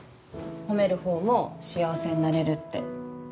褒めるほうも幸せになれるって。